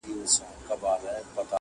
o پوهنتون د میني ولوله بس یاره,